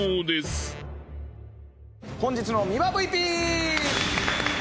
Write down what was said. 本日のミワＶＰ！